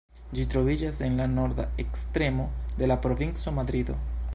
Ĝi troviĝas en la norda ekstremo de la provinco Madrido.